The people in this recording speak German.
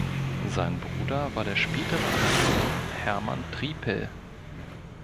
Sein Bruder war der spätere Anatom Hermann Triepel.